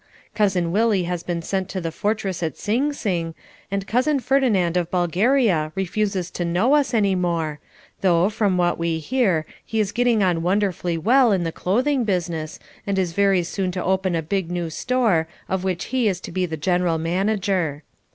Cousin Willie has been sent to the fortress at Sing Sing and Cousin Ferdinand of Bulgaria refuses to know us any more, though, from what we hear, he is getting on wonderfully well in the clothing business and is very soon to open a big new store of which he is to be the general manager.